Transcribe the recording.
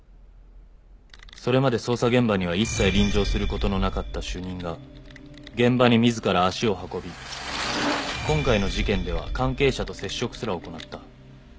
「それまで捜査現場にはいっさい臨場することのなかった主任が現場に自ら足を運び今回の事件では関係者と接触すら行なった」